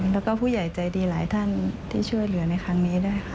แล้วก็ผู้ใหญ่ใจดีหลายท่านที่ช่วยเหลือในครั้งนี้ด้วยค่ะ